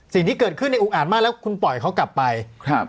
สิ่งที่เกิดขึ้นในอุกอาจมากแล้วคุณปล่อยเขากลับไปครับ